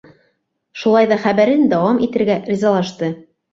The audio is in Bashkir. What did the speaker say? Шулай ҙа хәбәрен дауам итергә ризалашты.